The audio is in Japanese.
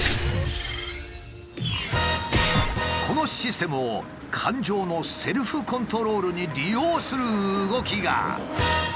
このシステムを感情のセルフコントロールに利用する動きが。